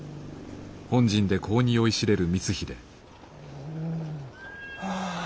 うんはあ。